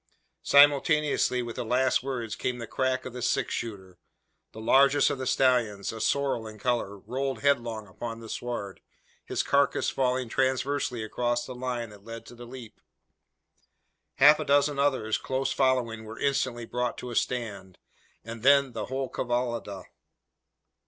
Simultaneous with the last words came the crack of the six shooter. The largest of the stallions a sorrel in colour rolled headlong upon the sward; his carcass falling transversely across the line that led to the leap. Half a dozen others, close following, were instantly brought to a stand; and then the whole cavallada!